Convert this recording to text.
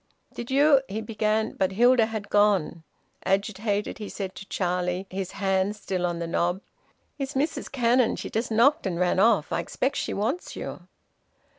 "Did you " he began. But Hilda had gone. Agitated, he said to Charlie, his hand still on the knob: "It's Mrs Cannon. She just knocked and ran off. I expect she wants you."